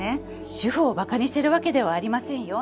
主婦を馬鹿にしてるわけではありませんよ。